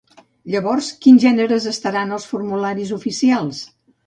Llavors, quins gèneres estaran als formularis oficials?